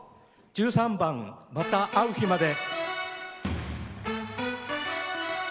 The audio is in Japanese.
１３番「また逢う日まで」。